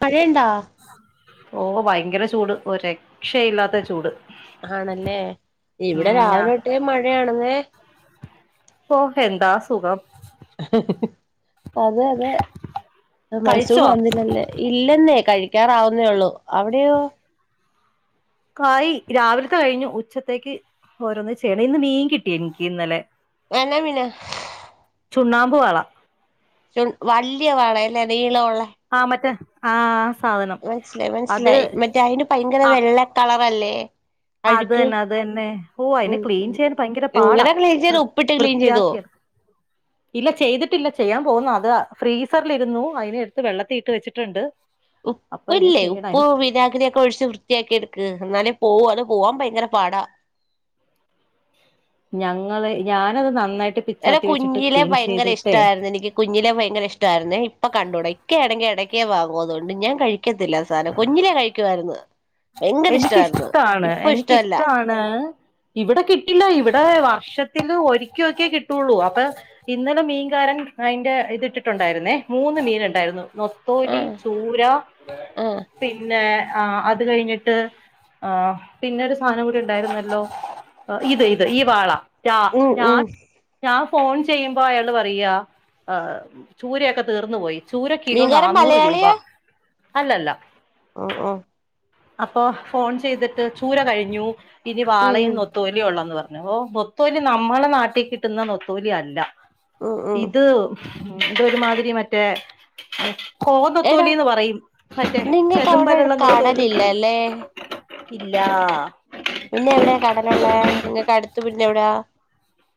മഴണ്ടാ ഓ ഭയങ്കര ചൂട് ഒരു രക്ഷയില്ലാത്ത ചൂട് ആണല്ലേ ഉം ഇവിടെ ഞാ രാവിലെ തൊട്ടേ മഴയാണെന്നേ ഓ എന്താ സുഖം അതെ അതെ മൻസൂൺ കഴിച്ചോ വന്നില്ലല്ലേ ഇല്ലെന്നേ കഴിക്കാറാവുന്നേ ഉള്ളു അവിടെയോ കായ് രാവിലത്തെ കഴിഞ്ഞ് ഉച്ചത്തേക്ക് ഓരോന്ന് ചെയ്യണം ഇന്ന് മീൻ കിട്ടി എനിക്ക് ഇന്നലെ എന്നാ മീന ചുണ്ണാമ്പു വാള വല്യ വാള അല്ലേ നീള ഉള്ളേ ആഹ് മറ്റെ ആഹ് മനസ്സിലായി മനസ്സിലായി മറ്റേ അയ്ന് ഭയങ്കര ആ വെള്ള കളറല്ലേ അത് അഴുക്ക് തന്നെ അത് തന്നെ ഓ അയിനെ ഉം ക്ലീൻ ഉം ചെയ്യാൻ ഭയങ്കര പാടാ എങ്ങനെ ക്ലീൻ വൃ ചെയ്ത് ഉപ്പിട്ട് ക്ലീൻ ചെയ്തോ വൃത്തിയാക്കിയെടുക്ക ഇല്ല ചെയ്തിട്ടില്ല ചെയ്യാൻ പോവുന്നു അത ഫ്രീസറിലിരുന്നു അതിനെ എടുത്ത് വെള്ളത്തി ഇട്ട് വെച്ചിട്ടുണ്ട് അപ്പൊ ഇനി ഉപ്പില്ലേ ചെയ്യണം അതിന് ഉപ്പും വിനാഗിരിയും ഒക്കെ ഒഴിച്ച് വൃത്തിയാക്കി എടുക്ക് എന്നാലേ പോവൂ അത് പോവാൻ ഭയങ്കര പാടാ ഞങ്ങള് ഞാനത് നന്നായിട്ട് എറെ പിച്ചാത്തി വെച്ചിട്ട് കുഞ്ഞിലെ ക്ലീൻ ഭയങ്കര ചെയ്തിട്ടേ ഇഷ്ടമായിരുന്നു എനിക്ക് കുഞ്ഞിലെ ഭയങ്കര ഇഷ്ടമായിരേ ഇപ്പൊ കണ്ടൂട ഇക്കെ ആണെങ്കി ഇടക്കേ വാങ്ങു അതുകൊണ്ട് ഞാൻ കഴി ക്കത്തില്ല സാധനം കുഞ്ഞിലേ കഴിക്കുവായിരുന്ന് എനിക്കിഷ്ടാണ് എനിക്കിഷ്ടാണ് ഇവിടെ കിട്ടില്ല ഇവിടെ വർഷത്തില് ഒരിക്കലൊക്കേ കിട്ടുള്ളൂ അപ്പൊ ഇന്നലെ മീൻകാരൻ അതിന്റെ ഇത്ട്ടിട്ടുണ്ടായിരുന്നേ മൂന്ന് മീൻ ഉണ്ടായിരുന്നു നോ ആ നത്തോലി ചൂര ആ പിന്നെ അത് കഴിഞ്ഞിട്ട് പിന്നെരു സാധനം കൂടി ഉണ്ടായിരുന്നല്ലോ ഇത് ഈ വാള ഉം രാ ഉം [inaudible] ഞാൻ ഫോൺ ചെയ്യുമ്പോ അയാള് പറയാ ഏ ചൂരയൊക്കെ തീർന്നു പോയി ചൂര കിലോ മീൻകാരൻ നാന്നൂറ് രൂപ മലയാളിയാ അല്ലല്ല ഓ ഓ അപ്പോ. ഫോൺ ചെയ്തിട്ട് ചൂര കഴിഞ്ഞു ഇനി ഉം വാളയും നൊ. ത്തോലിള്ളന്ന് പറഞ്ഞു ഓ. നൊത്തോലി നമ്മളെ നാട്ടി കിട്ടുന്ന നൊത്തോലി അല്ല.. ഉം ഉം ഇത്. ഹ്മ്. ഇതൊരുമാതിരി മറ്റേ.. കോ എടാ നൊത്തോലിന്ന് പറയും മറ്റേ ചെതുമ്പലുള്ള നൊത്തോലി ലേ. ഇല്ലാ പിന്നെ എവിടെയാ കടലുള്ളേ നിങ്ങ കടുത്തു പിന്നെ എവിട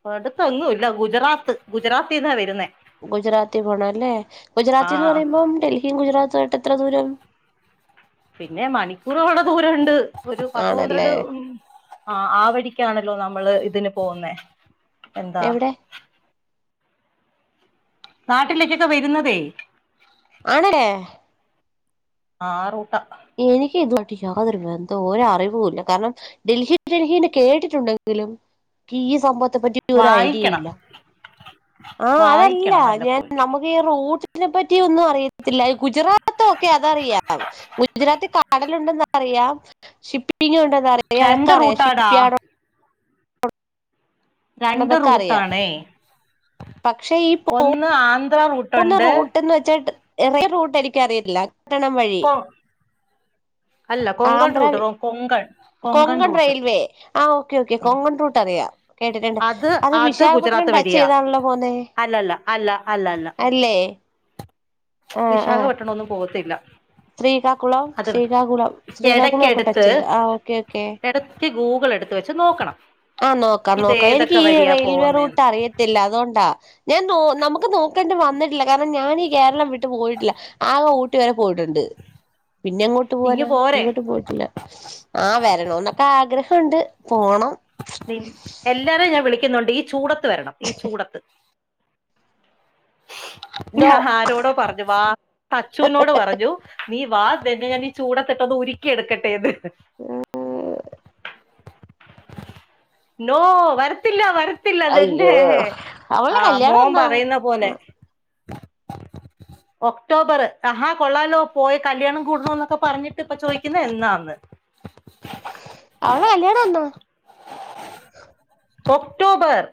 പ്പ. അടുത്തൊന്നും ഇല്ല ഗുജറാത്ത് ഗുജറാത്തിന്നാ വരുന്നേ.. ഗുജറാത്തി പോണംല്ലേ ഗുജറാത്തിന്ന് ആഹ് പറയുമ്പം ഡൽഹിം ഗുജറാത്തു. ആയിട്ട് എത്ര ദൂരം.. പിന്നെ മണിക്കൂറുകളുടെ ദൂരണ്ട് ഒരു പത്ത് ആണല്ലേ പന്ത്രണ്ട് ഉം ആഹ ആ വഴിക്കാണല്ലോ നമ്മള് ഇതിന് പോന്നേ എന്താ.. എവിടെ നാട്ടിലേക്കൊക്കെ വരുന്നതേ.. ആണ്ലേ.. ആറൂട്ടാ.. എനിക്ക് ഇതുവാട്ടി യാതൊരു ബന്ധോ ഒരറിവുല്ല കാരണം.. ഡൽഹി ഡൽഹി ന്ന് കേട്ടിട്ടുണ്ടെങ്കിലും കീ സംഭവത്തെ പറ്റി ഒരു ഐഡിയ. വായിക്കണം ഇല്ല.. ആഹ് അതല്ല വായിക്കണം ഞാൻ വല്ലപ്പോഴൊക്കെ നമ്മുക്ക് ഈ റോട്ട്. നെ പറ്റി ഒന്നും അറിയത്തില്ല ഗുജറാത്ത് ഒക്കെ അതറിയാം.. ഗുജറാത്തി കാടല ഉണ്ടന്ന് അറിയാം ഷിപ്പിങ്ങുണ്ടന്നറിയ അതൊക്കെ രണ്ട് അറിയാം റൂട്ടാടാ ഷിപ്പ് യാടോ രണ്ട് ഉണ്ടെന്നൊക്കെ അറിയാം റൂട്ടാണേ.. പക്ഷെ ഈ പോ ഒന്ന് ആന്ധ്ര പോവുന്ന റൂട്ടുണ്ട് റൂട്ട്ന്ന് വെച്ചാ ല് എറ റൂട്ട് എനിക്കറിയത്തില്ല കാണാൻ വഴി.. കൊർ.. റൂട്ട് ആന്ധ്രാവി കൊങ്കൺ കൊങ്കൺ റൂട്ട് റെയിൽവേ ആ ഓക്കെ ഓക്കെ കൊങ്കൺ റൂട്ട് അറിയാം.. കേട്ടിട്ടുണ്ട് അത് വിശാഖപട്ടണം ടച്ച് ചെയ്താണല്ലോ പോന്നേ അല്ലേ.. വിശാഖപട്ടണൊന്നും. പോവത്തില്ല.. ശ്രീകാക്കുളം ശ്രീകകുളം ശ്രീകകുളം ഒക്കെ ടച്ച് യ്ത് ആ ഓക്കേ ഓക്കേ.. ക്ക് ഗൂഗിൾ എടുത്ത് വെച്ച് നോക്കണം.. ആഹ നോക്കാം ഇത് നോക്കാം ഏതൊക്കെ എനിക്ക്ഈ വഴിയാ റെയിൽവേ റൂട്ട് പോകുന്നേന്ന് അറിയത്തില്ല അതുണ്ടാ.. ഞാൻ. നൊ നമുക്ക് നോക്കേണ്ടി വന്നിടില്ല. കാരണം ഞാനീ കേരളം വിട്ടു പോയിട്ടില.. ആകെ ഊട്ടി വരെ പോയിട്ടുണ്ട് പിന്നെങ്ങോട്ട്... ട്ട് ഇങ്ങ് പോവാനാ. പോരെ എങ്ങോട്ട് പോയിട്ടില്ല ആ വരണോന്നൊക്കെ ആഗ്രഹണ്ട് പോണം.. വിൻ. എല്ലാരെ ഞാൻ വിളിക്കുന്നുണ്ട് ഈ ചൂടത്ത് വരണം ഈ ചൂടത്ത്.. ഡോ ഞാൻ ആരോടോ. പറഞ്.. വാ അച്ചുനോട് പറഞ്ഞു നീ വാ. നിന്നെ ഞാനീ. ചൂടത്തിട്ടന്ന് ഉരുക്കി എടുക്കട്ടെന്ന്... നോ. വരത്തില്ല വരത്ത്.. പ്പില്ലതന്റെ. അയ്യോ അവളുടെ ആഹ് കല്യാണം മോം. എന്നാ പറയുന്ന ആ പോലെ.. ഒക്ടോബർ അ. ഹാ. കൊള്ളാല്ലോ പോയ കല്യാണം കൂടണന്നൊക്കെ പറഞ്ഞിട്ട് ഇപ്പ ചോദിക്കുന്നെ എന്നാന്ന്.. അവളെ. കല്യാണന്ന.. ഒക്ടോബർ..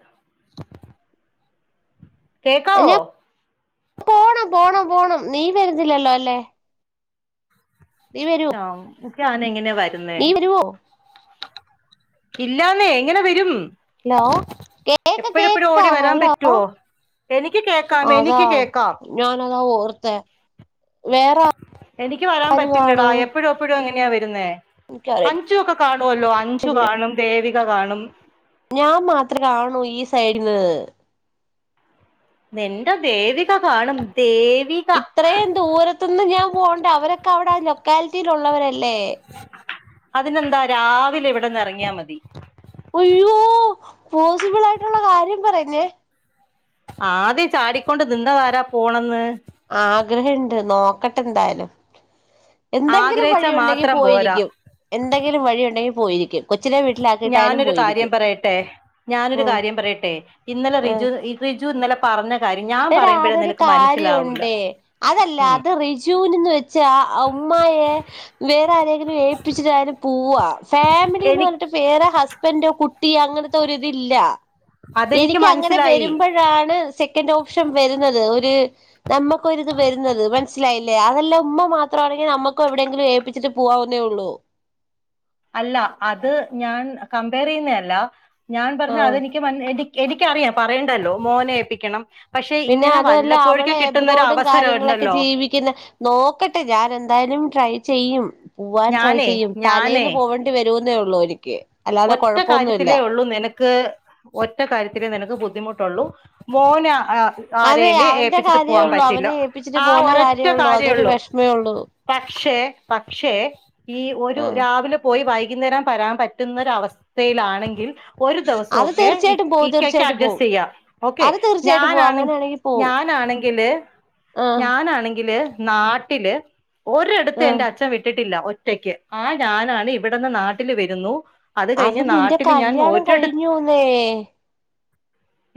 കേക്കവോ.. ഞാൻ പോണം പോണം പോണം നീ വരുന്നില്ലല്ലോ അല്ലെ.. ശ്യാം. ക്കെ ആാനങ്ങനെ വര്.. നീ വരുവോ.. ഇല്ലാന്നേ എങ്ങനെ വരും ഹലോ കേക്ക എപ്പഴെപ്പഴും കേക്ക ഓടി വരാൻ ഹലോ പറ്റൊ.. എനിക്ക് കേക്കാം. എനിക്ക് കേക്കാം.. ഞാന അതാ ഓർത്തെ.. വേറെ എനിക്ക് വരാൻ ആര് പറ്റില്ലടാ കാണും എപ്പോഴും എപ്പോ.. എപ്പോഴും എങ്ങനെയാ വരുന്നേ എനിക്കറിയ അഞ്ചുക്കെ കാണുവല്ലോ അഞ്ചു ശരിയാ കാണും ദേവിക കാണും.. ഞാൻ മാത്രേ കാണൂ ഈ സൈഡിൽ നിന്ന് നിന്റെ ദേവിക കാണും ദേവി ഇത്രയും ദൂരത്തുന്ന് ഞാൻ പോകണ്ടേ അവരൊക്കെ അവിടെ ലൊക്കാലിറ്റിയി ൽ ഉള്ളള്ളവരല്ലേ അതിനെന്താ രാവിലെ ഇവിടെന്ന് ഇറങ്ങിയാ മതി അയ്യോ പോസിബിൾ ആയിട്ടുള്ള കാര്യം പറഞ്ഞേ ആദ്യം ചാടിക്കൊണ്ട് നിന്നതാരാ പോണംന്ന് ആഗ്രഹണ്ട് നോക്കട്ടെ എന്തായാലും എന്തെങ്കിലും ആഗ്രഹിച്ചാ വഴിയുണ്ടെങ്കിൽ മാത്രം പോരാ പോയിരിക്കും എന്തെങ്കിലും വഴി ഉണ്ടെങ്കിൽ പോയിരിക്കും കൊച്ചിനെ വീട്ടിലാക്കിയിട്ടായാലും ഞാനൊരു കാര്യം പോയിരിക്കും പറയട്ടെ ഞാനൊരു ഉം കാര്യം പറയട്ടെ ഇന്നലെ ആഹ് റിജു റിജു ഇന്നലെ പറഞ്ഞ കാര്യം ഞാൻ എടാ പറയുമ്പോഴേ അതൊരു നിനക്ക് മനസ്സിലാവൂല ഉം റിജൂന് എന്ന് വെച്ച അമ്മയെ വേറെ ആരെങ്കിലും ഏൽപ്പിച്ചിട്ടായാലും പോവാ ഫാമിലിന്ന് എനി പറഞ്ഞിട്ട് വേറെ ഹസ്ബന്റോ കുട്ടിയോ അങ്ങനത്തെ ഒരിതില്ല അതെനിക്ക് എനിക്ക് അങ്ങനെ മനസ്സിലായി വരുമ്പോഴ ഴാണ് സെക്കൻഡ് ഓപ്ഷൻ വരുന്നത് ഒരു നമുക്ക് ഒരിത് വരുന്നത് മനസിലായില്ലേ അതല്ലാ ഉമ്മ മാത്രമാണെങ്കിൽ നമുക്കും എവിടെയങ്കിലും ഏൽപി പിച്ചിട്ട് പോകാവുന്നേ ഉള്ളൂ അല്ല അത് ഞാൻ കമ്പയർ ചെയ്യുന്നതല്ല ഞാൻ പറഞ്ഞത് ആഹ് അതെനിക്ക് എനിക്ക് എനിക്കറിയാം പറയേണ്ടല്ലോ മോനെ ഏൽപ്പിക്കണം പക്ഷെ പിന്നെ ഇങ്ങനെ അതുമല്ല വല്ലപ്പോഴൊക്കെ അവളെ കിട്ടുന്നൊരു എബ്രോഡും അവസരം കാര്യങ്ങളൊക്കെ ഉണ്ടല്ലോ ജീവിക്കുന്ന നോക്കട്ടെ ഞാൻ എന്തായാലും ട്രൈ ചെയ്യും പോവാൻ ട്രൈ ഞാനേ ചെയ്യും ഞാനേ തലേന്ന് പോവണ്ട ണ്ടിവരൂന്നെ ഉള്ളൂ എനിക്ക് അല്ലാതെ ഒറ്റ കൊഴപ്പൊന്നുമില്ല കാര്യത്തിലേ ഒള്ളൂ നിനക്ക് ഒറ്റ കാര്യത്തിലേ നിനക്ക് ബുദ്ധിമുട്ടൊള്ളൂ മോന ആ അതെ ആരേല് അവന്റെ ഏപ്പിച്ചിട്ട് കാര്യേ പോവാൻ ഉള്ളൂ പറ്റില്ല അവനെ ഏൽപ്പിച്ചിട്ട് ആ പോന്ന ഒരൊറ്റ കാര്യേ ഉള്ളൂ അതൊരു കാര്യേള്ളൂ വിഷമേ ഉള്ളൂ പക്ഷേ പക്ഷേ ഈ ഒരു ആ രാവിലെ പോയി വൈകിന്നേരം പരാൻ പറ്റുന്നൊരവസ്ഥയിലാണെങ്കിൽ ഒരു അത് ദൊവസൊക്കെ ഇക് തീർച്ചയായിട്ടും പോവും ഇക്കയ്ക്ക് തീർച്ചയായിട്ടും പോവും അഡ്ജസ്റ്റെയ്യാം ഓക്കെ അത് തീർച്ചയായിട്ടും പോവും ഞാനാണ് അങ്ങനെയാണെങ്കിൽ പോവും ഞാനാണെങ്കില് ആ ഞാനാണെങ്കില് നാ ട്ടില് ഒരെട്ത്തു ആ എന്റെ അച്ഛൻ വിട്ടിട്ടില്ല ഒറ്റക്ക് ആ ഞാനാണ് ഇവടെന്ന് നാട്ടില് വെരുന്നു. അത് കഴിഞ്ഞ നിന്റെ നാട്ടില് ഞാൻ കല്യാണം ഒരിട കഴിഞ്ഞുന്നേ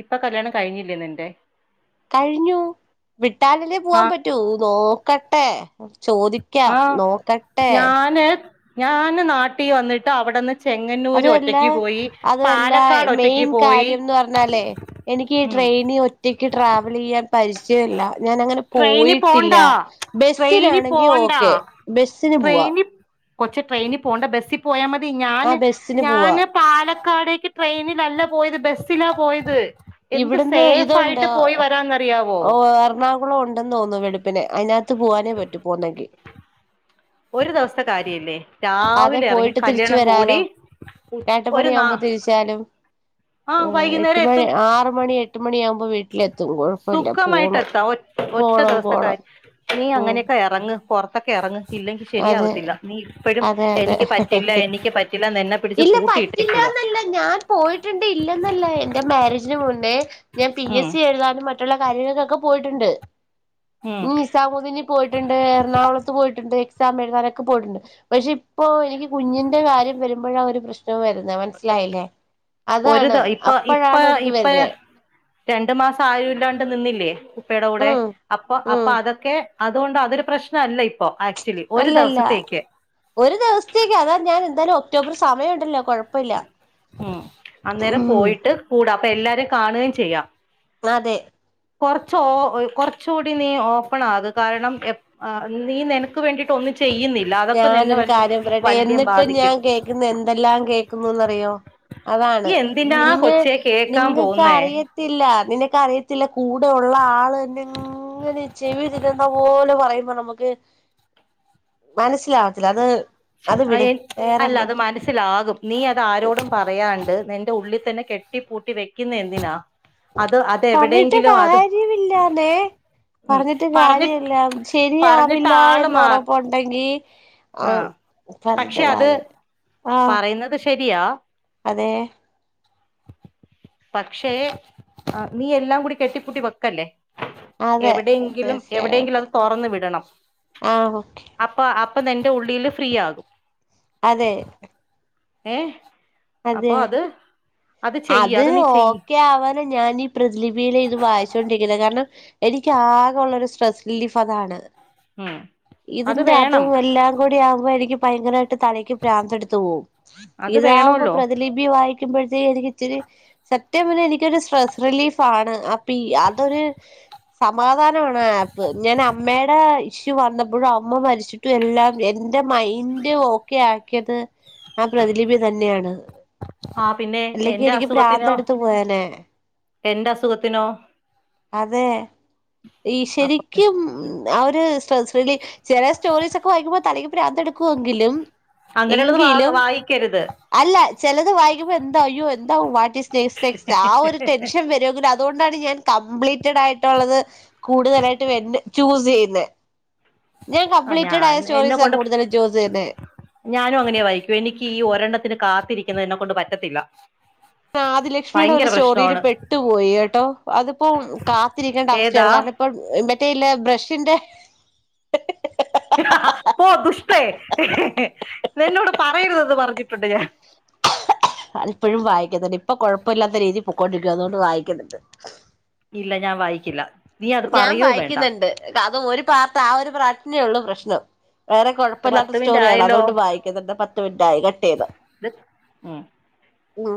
ഇപ്പൊ കല്യാണം കഴിഞ്ഞില്ലേ നിന്റെ കഴിഞ്ഞു വിട്ടാലല്ലേ ആ പോവാൻ പറ്റൂ നോക്കട്ടെ ചോദിക്കാം ആഹ് നോക്കട്ടെ ഞാന് ഞാന് നാട്ടി വന്നിട്ട് അവടെന്ന് അതുവല്ല അതുവല്ലാ പാലക്കാട് ഒറ്റക്ക് മെയിൻ പോയി കാര്യന്ന് പർഞ്ഞാലേ എനിക്ക് ഈ ഉം ട്രെയിനി ഒറ്റക്ക് ട്രാവലെയ്യാൻ പരിചയല്ല ഞാനങ്ങനെ ട്രെയിനി പോയിട്ടില്ല. പോണ്ടാ ട്രെയിനി ബസ്സിനാണെങ്കി പോണ്ടാ ഓക്കെ ബസ്സിന് പോവാ. കൊച്ചേ ട്രെയിനി പോണ്ട ബസ്സി പോയാ മതി ആ ഞാന് ബസ്സിന് പോവാ ഞാന് പാലക്കാടേക്ക് ട്രെയിനിലല്ല പോയത് ബസ്സിലാ പോയത്. എന്ത് ഇവട്ന്ന് സേഫ് ഇതൊണ്ടോ ആയിട്ട് പോയി വരാന്നറിയാവോ ഓഹ് എർണാ കുളം ഉണ്ടെന്ന് തോന്ന്ന്നു വെളുപ്പിന് അയിനാത്ത് പോവാനേ പറ്റു പോവുന്നെങ്കി ഒരു ദൊവസത്തെ കാര്യല്ലേ അതെ രാവിലെ എറങ്ങി പോയിട്ട് തിരിച്ചു കല്യാണം കൂടി വരാലോ ഒരു നാ [unintelligible] ആഹ് ഏഹ് എട്ട് വൈകുന്നേരം മണി എത്തും ആറ് മണി എട്ട് മണിയാവുമ്പോ വീട്ടിലെ സുഖമായിട്ട് എത്താ ഒ ഒറ്റ പോണം ദൊവസത്തെ പോണം കാര് നീ ഉം അങ്ങനെക്കെ എറങ്ങ് പൊർത്തൊക്കെ എറങ്ങ്. ഇല്ലെങ്കി അതെ ശരിയാവത്തില്ല നീ ഇപ്പഴും അതെ അതെ എനിക്ക് പറ്റില്ല എനിക്ക് പറ്റില്ല നിന്നെ പിടിച്ച് പൂട്ടിയിട്ട് ഇല്ലന്നല്ല ഞാൻ പോയിട്ട്ണ്ട് ഇല്ലെന്നല്ല എന്റെ മാരേജിന് മുന്നേ ഞാൻ പി ഉം എസ് സി എഴുതാനും മ റ്റുള്ള കാര്യങ്ങൾക്കൊക്കെ പോയിട്ടുണ്ട്. ഉം [unintelligible] ചാവുദിനി പോയിട്ട്ണ്ട് എറണാകുളത്ത് പോയിട്ട്ണ്ട്. തമിഴ്‌നാടൊക്കെ പോയിട്ട്ണ്ട് പക്ഷെ ഇപ്പോ എനിക്ക് കുഞ്ഞിന്റെ കാര്യം വെരുമ്പഴാ ഒരു പ്രശ് നം വെരുന്നെ മൻസ്സിലായില്ലേ ഒരു അതാണ് ദ അപ്പഴാണ് ഒരിത് വെരുന്നെ രണ്ട് മാസം ആരുല്ലാണ്ട് നിന്നില്ലേ ഉപ്പയുടെ കൂടെ ഉം അപ്പൊ ഉം അപ്പൊ അതൊക്കെ അതോണ്ടാ അതൊരു പ്രശ്നല്ല ഇപ്പൊ അ അല്ലല്ല ഒരു ദിവസത്തേക്ക് അതാ ഞാൻ എന്തായാലും ഒക്ടോബർ സമയുണ്ടല്ലോ കൊഴപ്പല്ല. ഉം അന്നേരം പോയിട്ട് കൂടാം അപ്പൊ എല്ലാരേം കാണുകയും ചെയ്യാം. അതെ കൊർച്ച് ഓ കൊർച്ചുടി നീ ഓപ്പണാക് കാരണം എ ആഹ് നീ നനെക്ക് വേണ്ടിട്ട് ഒന്നും ചെയ്യുന്നി ഞാനൊരു കാര്യം പറയട്ടെ എന്നിട്ടും ഞാൻ ബാധിക്കും കേക്ക്ന്നു എന്തെല്ലാം കേക്ക്ന്നുന്നറിയോ അതാണ് നീ എന്തിനാ നിന്നെ കൊച്ചേ കേക്കാൻ പോവുന്നേ നിങ്ങക്കറിയ ത്തില്ല നിനക്കറിയത്തില്ല കൂടെ ഉള്ള ആള് ന്ന് ങ്ങനെ ചെവി തിന്നുന്ന പോലെ പറയുമ്പോ നമക്ക് മനസ്സിലാവത്തില്ല അത് അത് വിട് വേറെന്ത് സ്സിലാകും നീ അതാരോടും പറയാണ്ട് നിന്റെ ഉള്ളി തന്നെ കെട്ടിപ്പൂട്ടി വെക്കുന്ന എന്തിനാ? അത് അ പർഞ്ഞിട്ട് കാര്യമില്ലാന്നെ ഉം പർഞ്ഞിട്ട് പറഞ്ഞി കാര്യല്ലാ പറഞ്ഞിട്ട് ശരിയാവില്ല ആള് എന്ന് മാ ഒറപ്പുണ്ടെങ്കി ആഹ് പക്ഷെ അത് ആഹ് പറയുന്നത് ശെരിയാ അതെ പക്ഷേ നീ എല്ലാം കൂടി കെട്ടിപ്പൂട്ടി വെക്കല്ലേ. അതെ എവിടെങ്കിലും തീർച്ചയായിട്ടും എവിടെങ്കിലൊന്ന് തുറന്നു വിടണം ആഹ് ഓക്കെ അപ്പ അപ്പ നിന്റെ ഉള്ളില് ഫ്രീ ആകും അതെ ഏഹ് അതെ ചെയ്യ് അത് നീ ചെയ്യ് ഓക്കെ ആവൻ ന്ന് ഞാനീ പ്രതിലിപിയിലെ ഇത് വായിച്ചുകൊണ്ടിരിക്കുന്ന കാരണം എനിക്ക് ആകെ ഉള്ള ഒരു സ്ട്രെസ്സ് റിലീഫ് അതാണ് ഉം അത് ഇതിന്റെ വേണം അതും എല്ലാം കൂടി ആകുമ്പോ എനിക്ക് ഭയങ്കര തലക്ക് പ്രാന്ത എടുത്തു പോവു അത് ഇതാഉമ്പോ വേണല്ലോ പ്രതി ലിബി വായി ക്യുമ്പോഴത്തേന് എനിക്ക് ഇച്ചിരി സത് ഇതേപലെ എനിക്കൊരു സ്ട്രെസ് റിലീഫ് ആണ് അപ്പി അതൊരു സമാധാനവാണ് ആപ്പ് ഞാൻ അമ്മയുടെ ഇഷ്യു വന്ന എപ്പോഴും അമ്മ മരിച്ചിട്ടും എല്ലാം എന്റെ മൈൻഡ് ഓക്കെ ആക്കിയത് ആഹ് പ്രതിലിപി തന്നെയാണ് ആ പിന്നെ അല്ലെങ്കി എന്റെ എനിക്ക് അസുഖത്തിനോ പ്രാന്ത എടുത്ത് പോയാനേ എന്റെ അസുഖത്തിനോ അതെ ഈ അപ്പൊ ശരിക്കും ആഹ് ഒരു സ്ട്രെസ് റിലീ ചില സ്റ്റോറീസ് ഒക്കെ വായിക്കുമ്പോ തലക്ക് പ്രാന്തെടു ക്കുങ്കിലും അങ്ങനെയുള്ളത് വാ വായിക്കരുത് അല്ല ചെലത് വായിക്കുമ്പോ എന്തായോ എന്തും [unintelligible] ആ ഒരു ടെൻഷൻ വരുെങ്കലു തോണ്ടാണ് ഞാൻ കംപ്ലീറ്റഡ് ആയിട്ടുള്ളത് കൂടുതലായിട്ട് വരുന്ന ചൂസ്യ്യുന്ന ഞാൻ ആ കംപ്ലീറ്റഡ ഞാൻ ആയ എന്നെ സ്റ്റോറീസ കൊണ്ട് കൂടുതലും ചൂസ് ചെയ്യുന്ന ഞാനും അങ്ങനെയ വായിക്കും എനിക്ക് ഈ ഒരെണ്ണത്തിന് കാത്തിരിക്കുന്നതിനെ എന്നെ കൊണ്ട് പറ്റത്തില്ല ആദ ലക്ഷ്മിയുടെ ഒരു ഭയങ്കര സ്റ്റോറിയിൽ പ്രശ്നമാണ് പെട്ടുപോയി കേട്ടോ അതിപ്പോ കാത്തിരിക്കേണ്ട ഏതാ അവസ്ഥയാണ് കാരണം ഇപ്പം മറ്റേല്ല ബ്രഷിന്റെ പോ ദുഷ്ടേ നിന്നോട് പറയരുത് എന്ന് പറഞ്ഞിട്ടുണ്ട് ഞാൻ അത് ഇപ്പഴും വായിക്കുന്നുണ്ട് ഇപ്പൊ കുഴപ്പല്ലാത്ത രീതിയിൽ പൊക്കൊണ്ടിരിക്കുവ അതുകൊണ്ട് വായിക്കുന്നുണ്ട് ഇല്ല ഞാൻ വായിക്കില്ല നീ അത് പറയോ വേണ്ട അതൊരു പാത്താ ആ ഒരു പ്രജ്ഞള്ളു പ്രശ്നം വേറെ ഇത് പത്ത് കുഴപ്പല്ലാത്ത മിനിറ്റ് സ്റ്റോറിയാണ് ആയല്ലോ അതോണ്ട് വായിക്ക്‌ന്ന്‌ണ്ട് പത്ത് മിൻറ്റായി കട്ടെയ്തൊ ഇത് ഉം ഉം